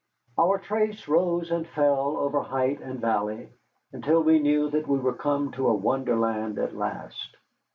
Our trace rose and fell over height and valley, until we knew that we were come to a wonderland at last.